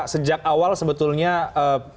sejak awal sebetulnya pansel dan juga pansel